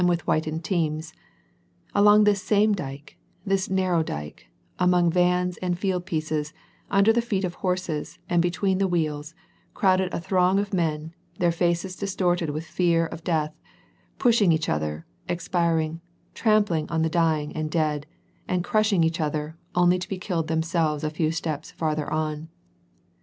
with whitened teams ; along this same dyke, this narrow dyke, among vans and field pieces, under the feet of horses, and be tween the wheels, crowded a throng of men, their faces dis torted with fear of death, pushing each other, expiring, tramp ling on the dying and dead, and crushing each other, only to be themselves killed a few steps farther on.